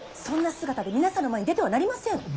そんな姿で皆さんの前に出てはなりません。